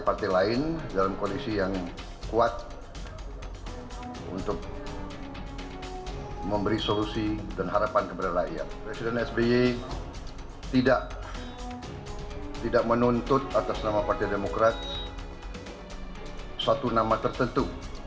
presiden sby tidak menuntut atas nama partai demokrat satu nama tertentu